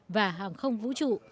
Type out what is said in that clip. và hàng không vũ trụ